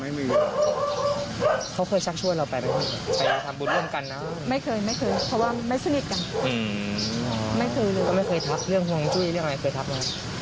ไม่เคยเพราะไม่สนิทกันไม่เคยเลยก็ไม่เคยทักเรื่องหลงสู้แล้วไม่เคยทักมาย